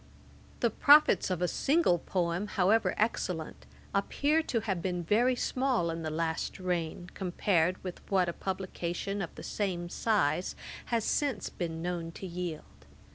The profits of a single poem, however excellent, appear to have been very small in the last reign, compared with what a publication of the same size has since been known to yield.